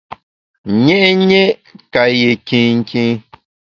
Nyé’nyé’ ka yé kinkin.